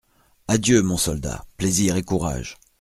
Adieu, mon soldat, plaisir et courage…